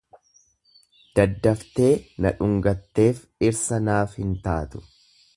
Daddaftee na dhungatteef dhirsa naaf hin taatu.